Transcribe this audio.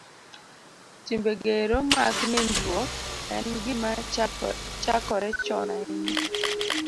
Timbe gero mag nindruok en gima chakore chon ahinya